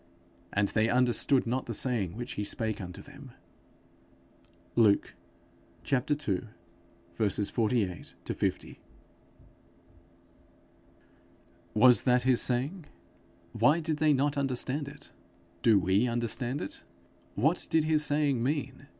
And they understood not the saying which he spake unto them. Luke ii. 48 50. Was that his saying? Why did they not understand it? Do we understand it? What did his saying mean?